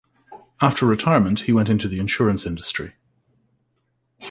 After retirement, he went into the insurance industry.